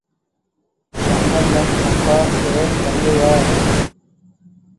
சம்பந்தம், அப்பா பெயர் தங்கையா.